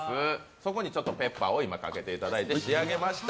そこにペッパーをかけていただいて仕上げました。